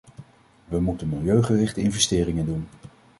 We moeten milieugerichte investeringen doen.